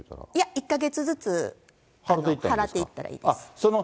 いや、１か月ずつ払っていったらいいです。